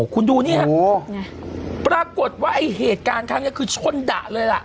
คุณดูนี่ฮะปรากฏว่าไอ้เหตุการณ์ครั้งนี้คือชนดะเลยล่ะ